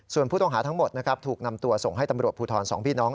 ส่วนผู้ต้องหาทั้งหมดนะครับถูกนำตัวส่งให้ตำรวจภูทรสองพี่น้อง